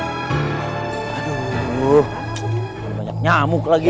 aduh banyak nyamuk lagi